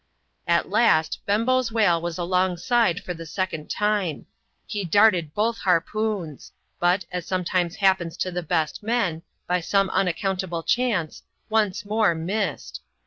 At last, Bembo's whale was alongside for the second time. He darted both harpoons ; but, as sometimes happens to the best men, by some unaccountable chance, once more missed.